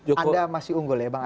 anda masih unggul ya bang